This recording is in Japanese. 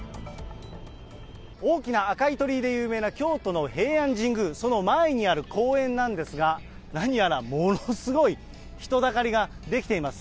大きな赤い鳥居で有名な京都の平安神宮、その前にある公園なんですが、何やらものすごい人だかりが出来ています。